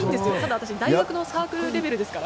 私、大学のサークルレベルですから。